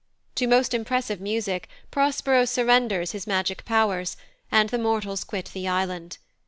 To most impressive music, Prospero surrenders his magic powers, and the mortals quit the island.